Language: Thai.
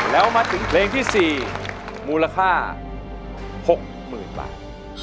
แล้วมาถึงเพลงที่สี่มูลค่าหกหมื่นบาท